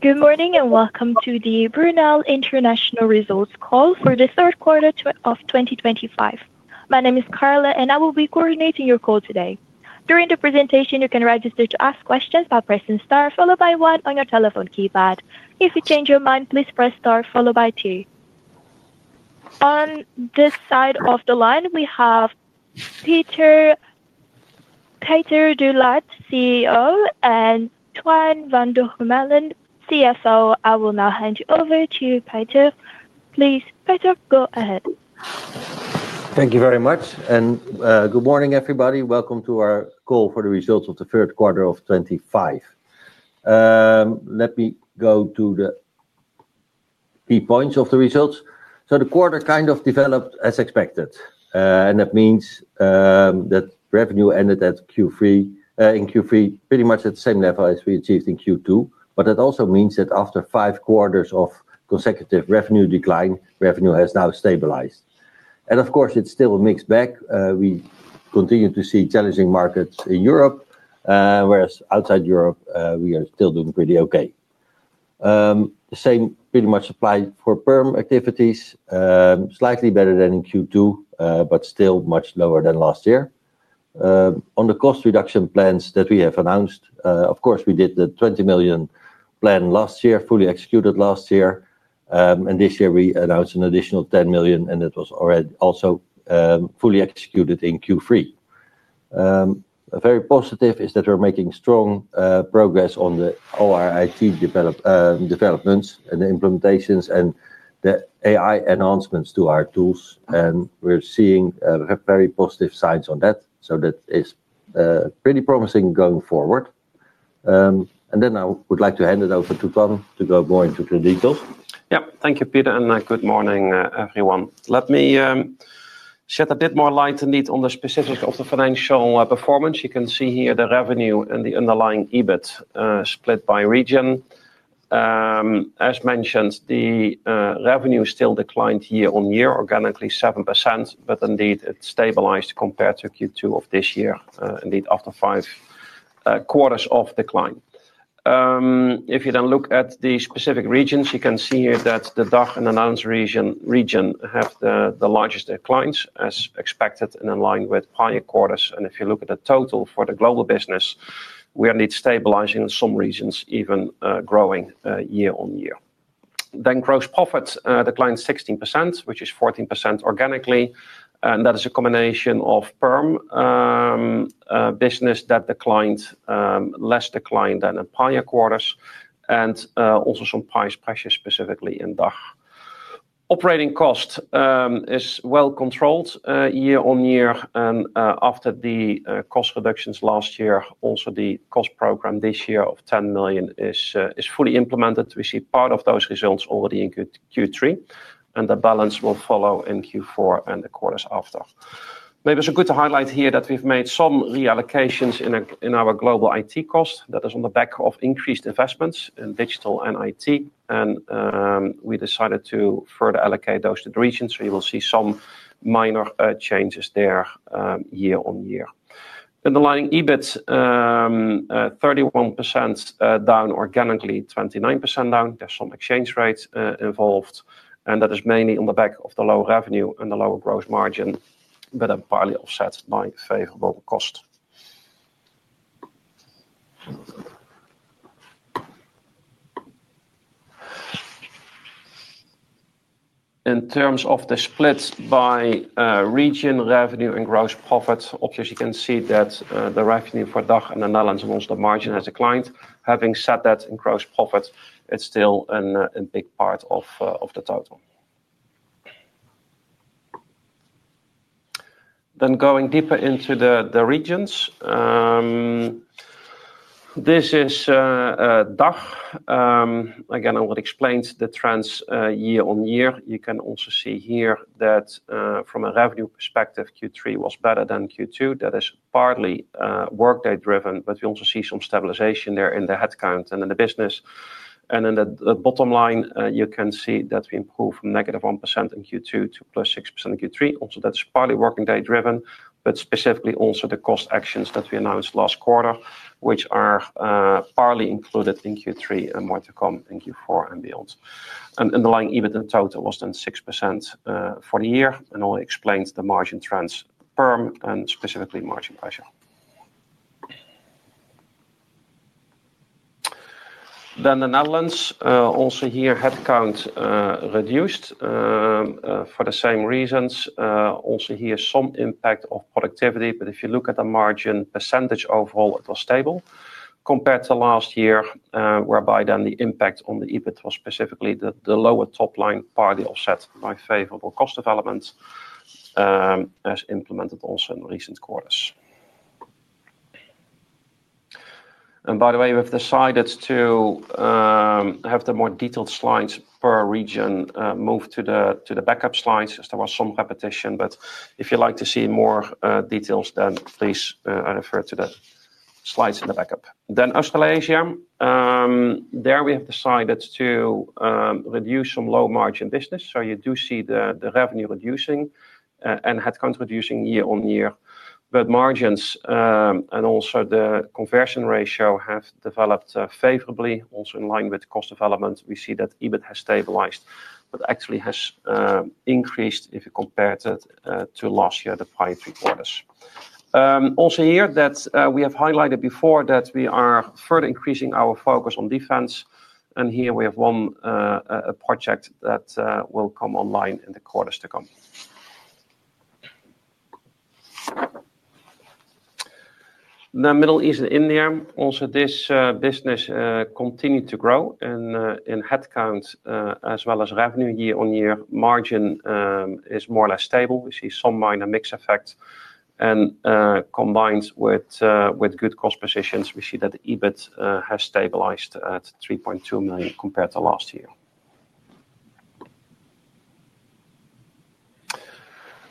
Good morning and welcome to the Brunel International Results Call for the third quarter of 2025. My name is Carla, and I will be coordinating your call today. During the presentation, you can register to ask questions by pressing star followed by one on your telephone keypad. If you change your mind, please press star followed by two. On this side of the line, we have Peter de Laat, CEO, and Toine van Doremalen, CFO. I will now hand you over to Peter. Please, Peter, go ahead. Thank you very much. Good morning, everybody. Welcome to our call for the results of the third quarter of 2025. Let me go to the key points of the results. The quarter kind of developed as expected. That means that revenue ended at Q3, in Q3, pretty much at the same level as we achieved in Q2. That also means that after five quarters of consecutive revenue decline, revenue has now stabilized. Of course, it's still a mixed bag. We continue to see challenging markets in Europe, whereas outside Europe, we are still doing pretty OK. The same pretty much applies for firm activities, slightly better than in Q2, but still much lower than last year. On the cost reduction plans that we have announced, we did the 20 million plan last year, fully executed last year. This year, we announced an additional 10 million, and it was already also fully executed in Q3. Very positive is that we're making strong progress on the ORIT developments and the implementations and the AI enhancements to our tools. We're seeing very positive signs on that. That is pretty promising going forward. I would like to hand it over to Tom to go more into the details. Yeah, thank you, Peter. Good morning, everyone. Let me shed a bit more light on the specifics of the financial performance. You can see here the revenue and the underlying EBIT split by region. As mentioned, the revenue still declined year on year, organically 7%, but indeed it stabilized compared to Q2 of this year, indeed after five quarters of decline. If you then look at the specific regions, you can see here that the DACH and the NANS region have the largest declines, as expected, and in line with higher quarters. If you look at the total for the global business, we are indeed stabilizing in some regions, even growing year on year. Gross profits declined 16%, which is 14% organically. That is a combination of firm business that declined less than in prior quarters, and also some price pressures specifically in DACH. Operating cost is well controlled year on year. After the cost reductions last year, also the cost program this year of 10 million is fully implemented. We see part of those results already in Q3. The balance will follow in Q4 and the quarters after. Maybe it's good to highlight here that we've made some reallocations in our global IT cost. That is on the back of increased investments in digital and IT. We decided to further allocate those to the region. You will see some minor changes there year on year. Underlying EBIT, 31% down, organically 29% down. There's some exchange rate involved. That is mainly on the back of the low revenue and the lower gross margin, but then partly offset by favorable cost. In terms of the split by region, revenue, and gross profit, obviously you can see that the revenue for DACH and the NANS amongst the margin has declined. Having said that, in gross profit, it is still a big part of the total. Then going deeper into the regions, this is DACH. Again, I would explain the trends year on year. You can also see here that from a revenue perspective, Q3 was better than Q2. That is partly workday driven, but we also see some stabilization there in the headcount and in the business. In the bottom line, you can see that we improved from -1% in Q2 to +6% in Q3. Also, that is partly working day driven, but specifically also the cost actions that we announced last quarter, which are partly included in Q3 and more to come in Q4 and beyond. Underlying EBIT in total was then 6% for the year. I'll explain the margin trends, firm and specifically margin pressure. The Netherlands also here, headcount reduced for the same reasons. Also here, some impact of productivity. If you look at the margin percentage overall, it was stable compared to last year, whereby the impact on the EBIT was specifically the lower top line partly offset by favorable cost developments as implemented also in recent quarters. By the way, we've decided to have the more detailed slides per region moved to the backup slides as there was some repetition. If you'd like to see more details, please refer to the slides in the backup. Australasia, there we have decided to reduce some low margin business. You do see the revenue reducing and headcount reducing year on year. Margins and also the conversion ratio have developed favorably, also in line with cost development. We see that EBIT has stabilized, but actually has increased if you compare it to last year, the prior three quarters. Here, we have highlighted before that we are further increasing our focus on defense. Here we have one project that will come online in the quarters to come. The Middle East and India, also this business continued to grow. In headcount as well as revenue year on year, margin is more or less stable. We see some minor mixed effect. Combined with good cost positions, we see that EBIT has stabilized at 3.2 million compared to last year.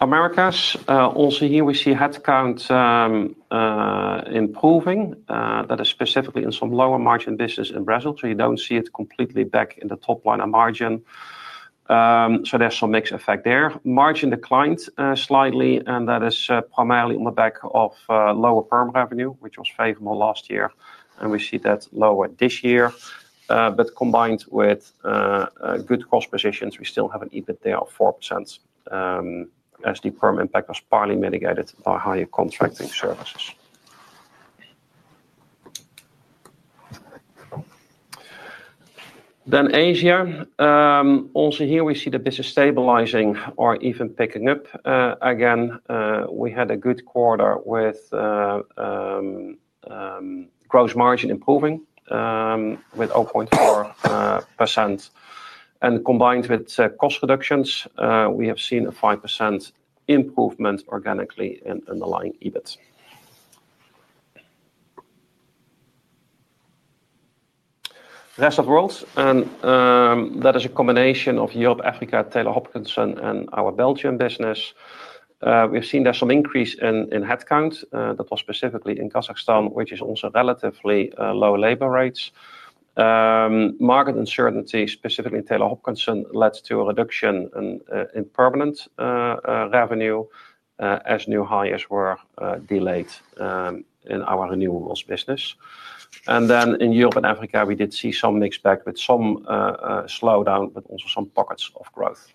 Americas, here we see headcount improving. That is specifically in some lower margin business in Brazil. You do not see it completely back in the top line of margin. There is some mixed effect there. Margin declined slightly, and that is primarily on the back of lower firm revenue, which was favorable last year. We see that lower this year, but combined with good cost positions, we still have an EBIT there of 4% as the firm impact was partly mitigated by higher contracting services. In Asia, also here we see the business stabilizing or even picking up again. We had a good quarter with gross margin improving with 0.4%. Combined with cost reductions, we have seen a 5% improvement organically in underlying EBIT. Rest of the world, and that is a combination of Europe, Africa, Taylor Hopkinson, and our Belgian business. We have seen there is some increase in headcount. That was specifically in Kazakhstan, which is also relatively low labor rates. Market uncertainty, specifically in Taylor Hopkinson, led to a reduction in permanent revenue as new hires were delayed in our renewables business. In Europe and Africa, we did see some mixed back with some slowdown, but also some pockets of growth.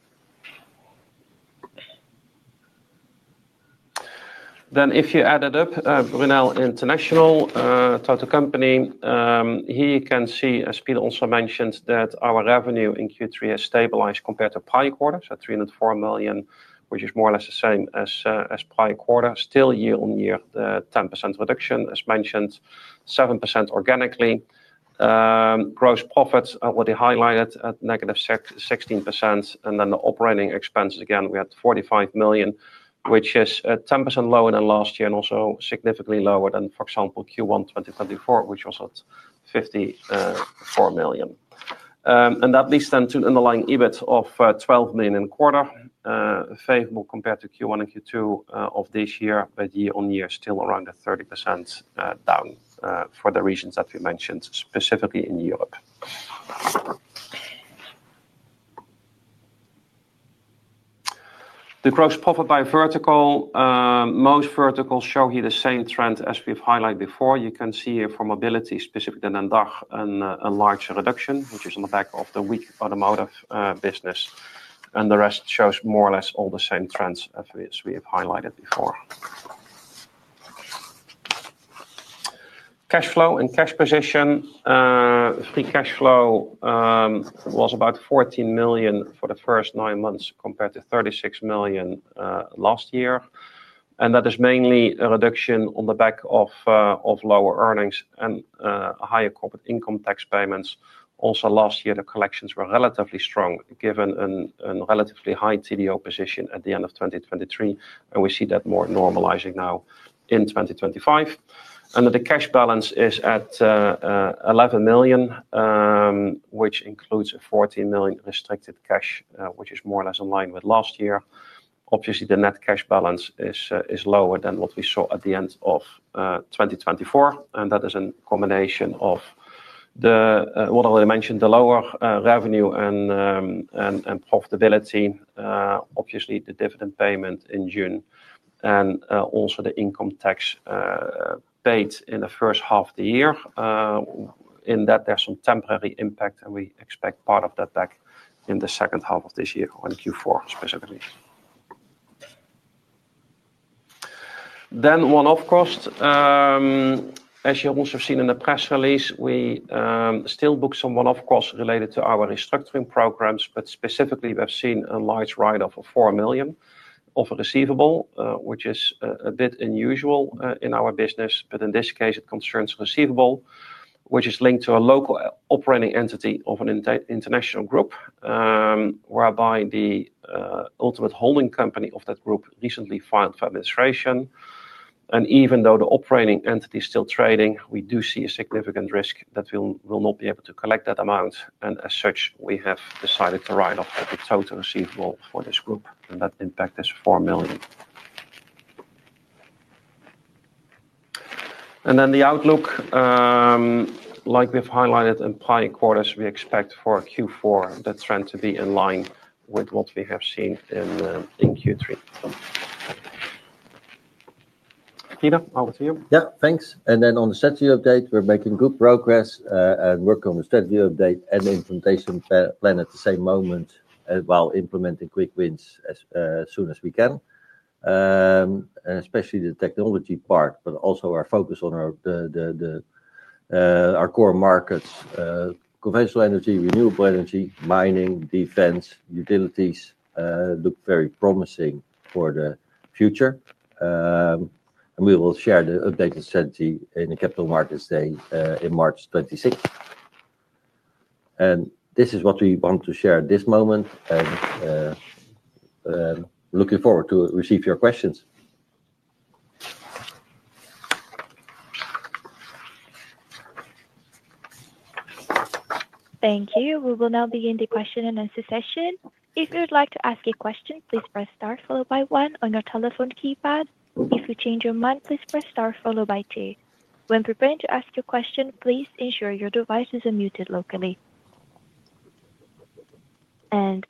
If you add it up, Brunel International, total company, here you can see as Peter also mentioned that our revenue in Q3 has stabilized compared to prior quarter, so 304 million, which is more or less the same as prior quarter. Still year on year, 10% reduction as mentioned, 7% organically. Gross profits were highlighted at -16%. The operating expenses, again, we had 45 million, which is 10% lower than last year and also significantly lower than, for example, Q1 2024, which was at 54 million. That leads then to underlying EBIT of 12 million in the quarter, favorable compared to Q1 and Q2 of this year, but year on year, still around a 30% down for the regions that we mentioned, specifically in Europe. The gross profit by vertical, most verticals show here the same trend as we have highlighted before. You can see here for mobility, specifically in DACH, a larger reduction, which is on the back of the weak automotive business. The rest shows more or less all the same trends as we have highlighted before. Cash flow and cash position, free cash flow was about 14 million for the first nine months compared to 36 million last year. That is mainly a reduction on the back of lower earnings and higher corporate income tax payments. Last year, the collections were relatively strong given a relatively high TDO position at the end of 2023. We see that more normalizing now in 2025. The cash balance is at 11 million, which includes 14 million restricted cash, which is more or less in line with last year. Obviously, the net cash balance is lower than what we saw at the end of 2024. That is a combination of what I already mentioned, the lower revenue and profitability, obviously the dividend payment in June, and also the income tax paid in the first half of the year. In that, there is some temporary impact, and we expect part of that back in the second half of this year or in Q4 specifically. One-off cost, as you also have seen in the press release, we still book some one-off costs related to our restructuring programs, but specifically, we've seen a large write-off of 4 million of a receivable, which is a bit unusual in our business. In this case, it concerns a receivable, which is linked to a local operating entity of an international group, whereby the ultimate holding company of that group recently filed for administration. Even though the operating entity is still trading, we do see a significant risk that we will not be able to collect that amount. As such, we have decided to write off the total receivable for this group. That impact is 4 million. The outlook, like we've highlighted in prior quarters, we expect for Q4 the trend to be in line with what we have seen in Q3. Peter, over to you. Yeah, thanks. On the strategy update, we're making good progress and working on the strategy update and the implementation plan at the same moment while implementing QuickWinds as soon as we can, especially the technology part, but also our focus on our core markets, conventional energy, renewable energy, mining, defense, utilities look very promising for the future. We will share the updated strategy in the capital markets day in March 26. This is what we want to share at this moment. Looking forward to receive your questions. Thank you. We will now begin the question-and-answer session. If you'd like to ask a question, please press star followed by one on your telephone keypad. If you change your mind, please press star followed by two. When preparing to ask your question, please ensure your device is unmuted locally.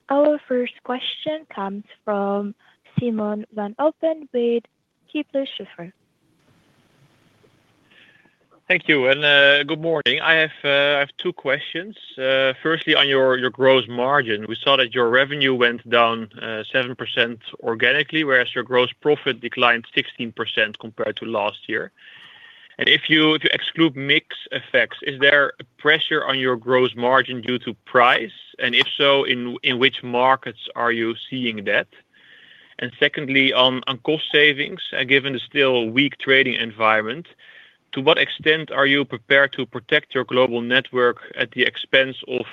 Our first question comes from Simon van Oppen with Kepler Cheuvreux. Thank you. Good morning. I have two questions. Firstly, on your gross margin, we saw that your revenue went down 7% organically, whereas your gross profit declined 16% compared to last year. If you exclude mix effects, is there pressure on your gross margin due to price? If so, in which markets are you seeing that? Secondly, on cost savings, given the still weak trading environment, to what extent are you prepared to protect your global network at the expense of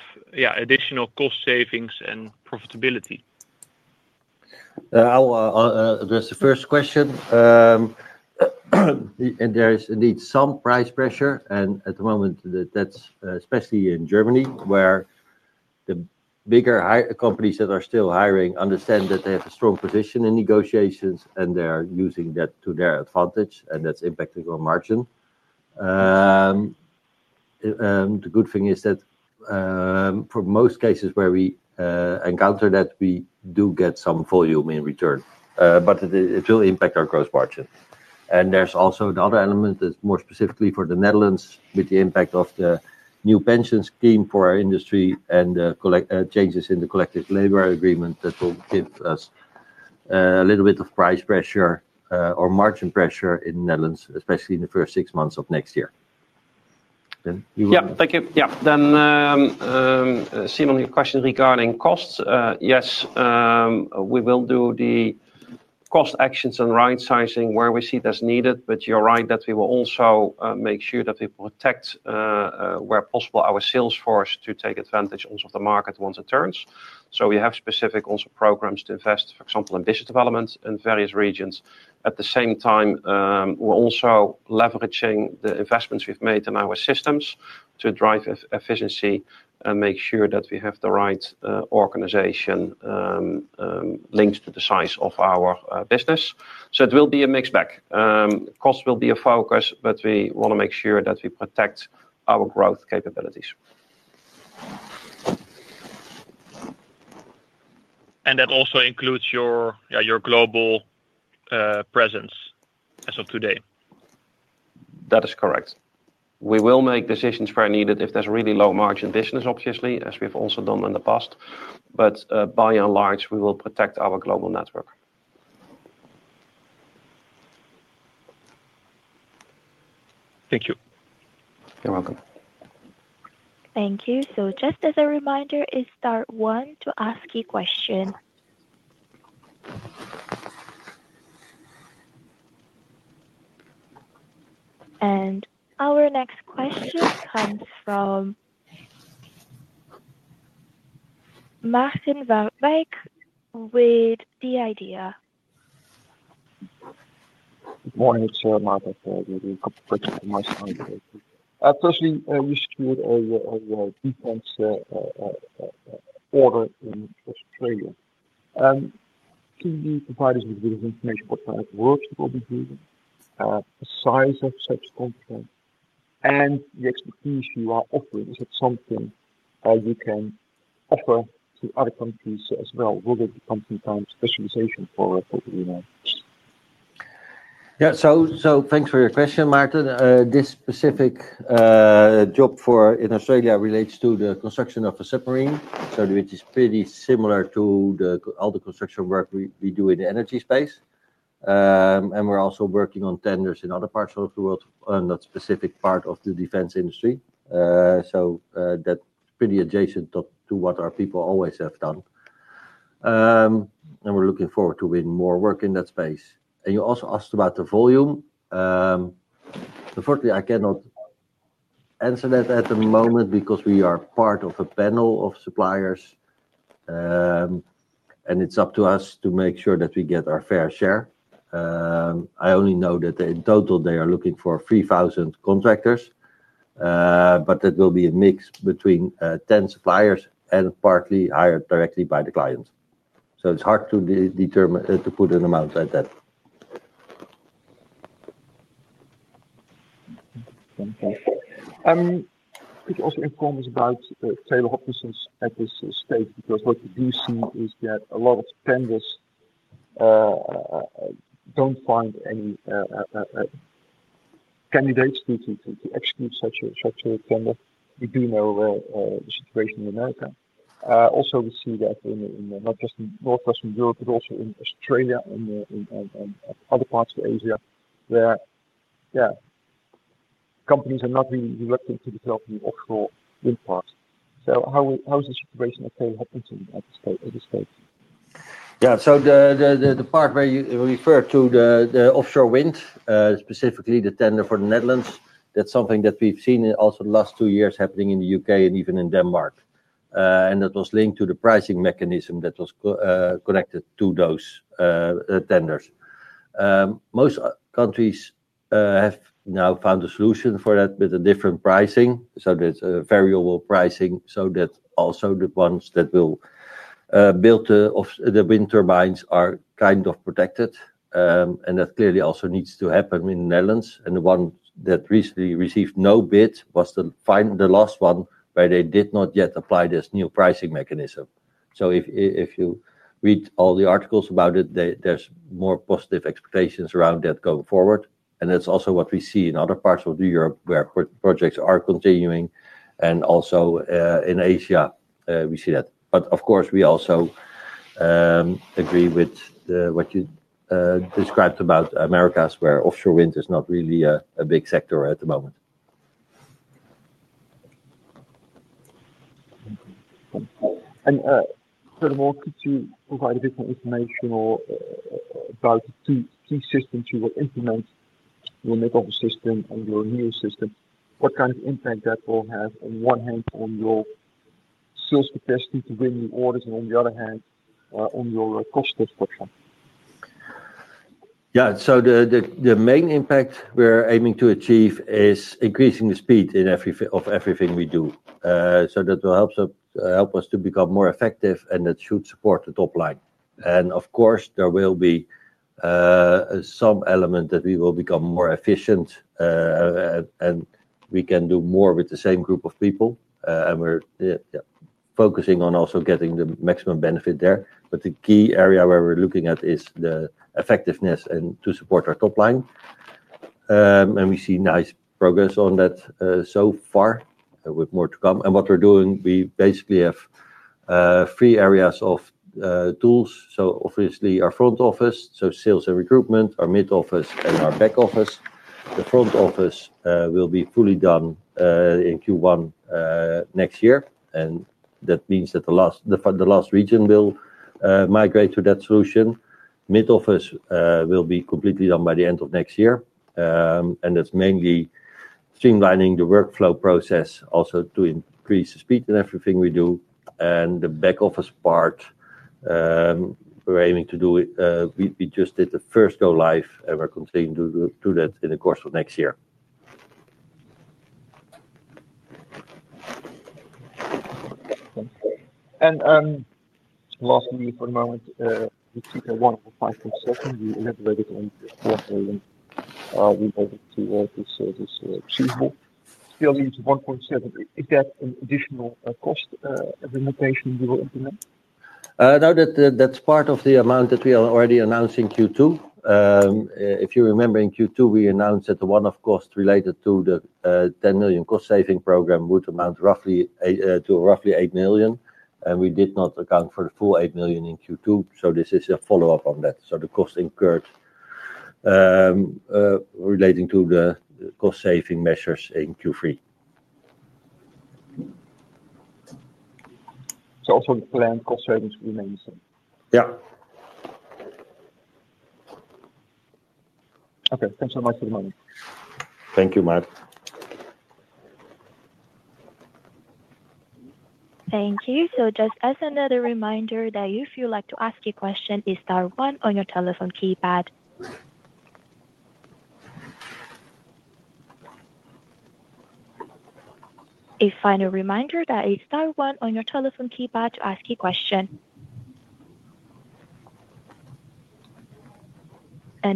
additional cost savings and profitability? I'll address the first question. There is indeed some price pressure. At the moment, that's especially in Germany, where the bigger companies that are still hiring understand that they have a strong position in negotiations, and they're using that to their advantage. That's impacting our margin. The good thing is that for most cases where we encounter that, we do get some volume in return, but it will impact our gross margin. There's also another element that's more specifically for the Netherlands, with the impact of the new pension scheme for our industry and the changes in the collective labor agreement that will give us a little bit of price pressure or margin pressure in the Netherlands, especially in the first six months of next year. Yeah, thank you. Yeah. Simon, your question regarding costs. Yes, we will do the cost actions and right sizing where we see it as needed. You're right that we will also make sure that we protect where possible our sales force to take advantage also of the market once it turns. We have specific also programs to invest, for example, in business development in various regions. At the same time, we're also leveraging the investments we've made in our systems to drive efficiency and make sure that we have the right organization linked to the size of our business. It will be a mixed bag. Cost will be a focus, but we want to make sure that we protect our growth capabilities. That also includes your global presence as of today. That is correct. We will make decisions where needed if there's really low margin business, obviously, as we've also done in the past. By and large, we will protect our global network. Thank you. You're welcome. Thank you. Just as a reminder, it's star one to ask your question. Our next question comes from [Martin van Weert] with [the idea]. Good morning. It's Martin van Weert with the Corporate Reporting Commission. I personally used to be a defense order in Australia. Can you provide us with a bit of information about how it works with all these reasons? The size of such content and the expertise you are offering, is that something you can offer to other countries as well? Will there be content-type specialization for what we know? Yeah. Thanks for your question, Martin. This specific job in Australia relates to the construction of a submarine, which is pretty similar to all the construction work we do in the energy space. We are also working on tenders in other parts of the world on that specific part of the defense industry. That is pretty adjacent to what our people always have done. We are looking forward to winning more work in that space. You also asked about the volume. Unfortunately, I cannot answer that at the moment because we are part of a panel of suppliers, and it is up to us to make sure that we get our fair share. I only know that in total, they are looking for 3,000 contractors, but that will be a mix between 10 suppliers and partly hired directly by the client. It's hard to put an amount like that. Okay. If you also inform us about Taylor Hopkinson's efforts to stage, because what we do see is that a lot of tenders do not find any candidates to execute such a tender. We do know the situation in the Americas. Also, we see that in not just Northwestern Europe, but also in Australia and other parts of Asia where, yeah, companies are not really reluctant to develop any offshore wind parks. How is the situation at Taylor Hopkinson at this stage? Yeah. The part where you refer to the offshore wind, specifically the tender for the Netherlands, that's something that we've seen also the last two years happening in the U.K. and even in Denmark. That was linked to the pricing mechanism that was connected to those tenders. Most countries have now found a solution for that with a different pricing, so there's a variable pricing, so that also the ones that will build the wind turbines are kind of protected. That clearly also needs to happen in the Netherlands. The one that recently received no bid was the last one where they did not yet apply this new pricing mechanism. If you read all the articles about it, there's more positive expectations around that going forward. That's also what we see in other parts of Europe where projects are continuing. Also in Asia, we see that. Of course, we also agree with what you described about Americas where offshore wind is not really a big sector at the moment. Could you provide a bit more information about the two systems you will implement, your mid-office system and your new system? What kind of impact that will have on one hand on your sales capacity to win new orders and on the other hand on your cost disruption? Yeah. The main impact we're aiming to achieve is increasing the speed of everything we do. That will help us to become more effective, and that should support the top line. Of course, there will be some element that we will become more efficient, and we can do more with the same group of people. We're focusing on also getting the maximum benefit there. The key area where we're looking at is the effectiveness and to support our top line. We see nice progress on that so far with more to come. What we're doing, we basically have three areas of tools. Obviously, our front office, so sales and recruitment, our mid-office, and our back office. The front office will be fully done in Q1 next year. That means that the last region will migrate to that solution. Mid-office will be completely done by the end of next year. That is mainly streamlining the workflow process also to increase the speed and everything we do. The back office part, we are aiming to do it. We just did the first go live, and we are continuing to do that in the course of next year. Lastly, for the moment, we took a 1.5%. You elaborated on what we're able to also achieve. Still needs 1.7%. Is that an additional cost implementation you will implement? No, that's part of the amount that we already announced in Q2. If you remember in Q2, we announced that the one-off cost related to the 10 million cost saving program would amount to roughly 8 million. We did not account for the full 8 million in Q2. This is a follow-up on that. The cost incurred relates to the cost saving measures in Q3. Also the planned cost savings remains the same. Yeah. Okay. Thanks so much for the moment. Thank you, Mark. Thank you. Just as another reminder, if you'd like to ask a question, it's star one on your telephone keypad. A final reminder that it's star one on your telephone keypad to ask a question.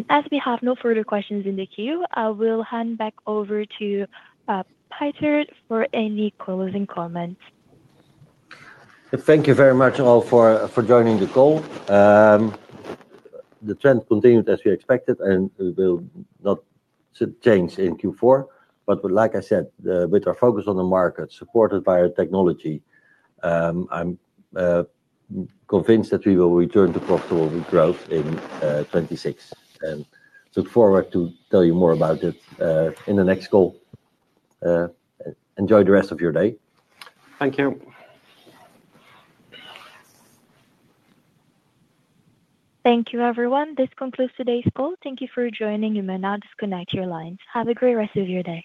As we have no further questions in the queue, I will hand back over to Peter for any closing comments. Thank you very much all for joining the call. The trend continued as we expected, and it will not change in Q4. Like I said, with our focus on the market supported by our technology, I'm convinced that we will return to profitable growth in 2026. I look forward to tell you more about it in the next call. Enjoy the rest of your day. Thank you. Thank you, everyone. This concludes today's call. Thank you for joining. You may now disconnect your lines. Have a great rest of your day.